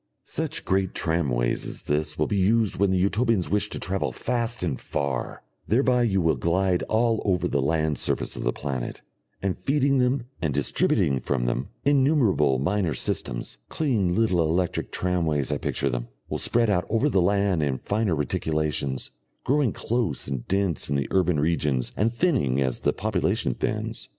Such great tramways as this will be used when the Utopians wish to travel fast and far; thereby you will glide all over the land surface of the planet; and feeding them and distributing from them, innumerable minor systems, clean little electric tramways I picture them, will spread out over the land in finer reticulations, growing close and dense in the urban regions and thinning as the population thins.